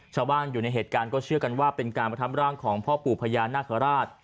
ชาวบ้านอยู่ในเหตุการณ์ก็เชื่อกันว่าเป็นการประทับร่างของพ่อปู่พญานาคาราช